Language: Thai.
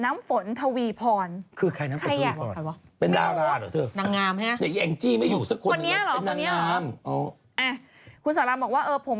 ไม่ตอบ